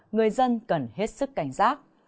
người dân cần hết sức cảnh giác